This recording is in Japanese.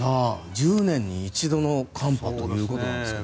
１０年に一度の寒波ということですが。